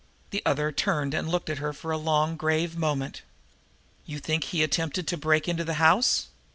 The other turned and looked at her for a long, grave moment. "You think he attempted to break into the house?"